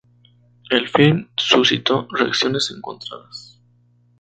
El filme suscitó reacciones encontradas.